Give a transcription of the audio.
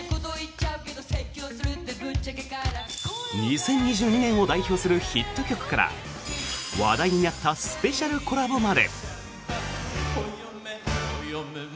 ２０２２年を代表するヒット曲から話題になったスペシャルコラボまで。